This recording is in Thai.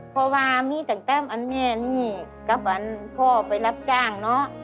เพราะว่ามีตั้งแต่วันแม่นี่กับวันพ่อไปรับจ้างเนอะ